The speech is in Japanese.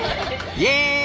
イエーイ！